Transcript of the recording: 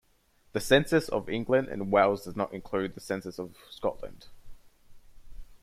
The census of England and Wales does not include the census of Scotland.